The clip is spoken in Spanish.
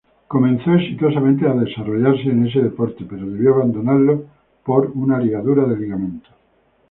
Comenzó exitosamente desarrollarse en ese deporte pero debió abandonarlo por una ligadura de ligamentos.